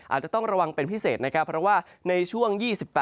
อาจจะต้องระวังเป็นพิเศษนะครับเพราะว่าในช่วง๒๘